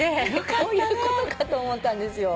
こういうことかと思ったんですよ。